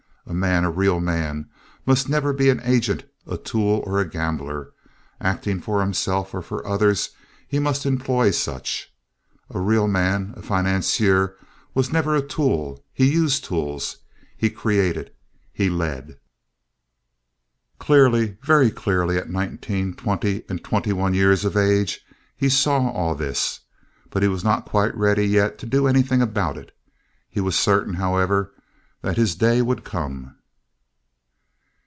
A man, a real man, must never be an agent, a tool, or a gambler—acting for himself or for others—he must employ such. A real man—a financier—was never a tool. He used tools. He created. He led. Clearly, very clearly, at nineteen, twenty, and twenty one years of age, he saw all this, but he was not quite ready yet to do anything about it. He was certain, however, that his day would come.